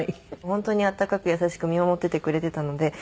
本当に温かく優しく見守っててくれてたので。